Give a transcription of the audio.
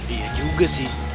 iya juga sih